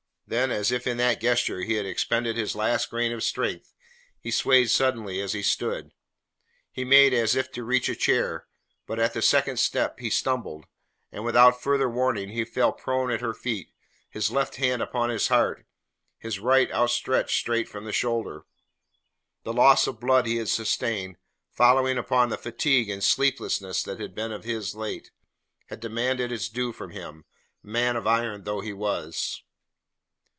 Then, as if in that gesture he had expended his last grain of strength, he swayed suddenly as he stood. He made as if to reach a chair, but at the second step he stumbled, and without further warning he fell prone at her feet, his left hand upon his heart, his right outstretched straight from the shoulder. The loss of blood he had sustained, following upon the fatigue and sleeplessness that had been his of late, had demanded its due from him, man of iron though he was.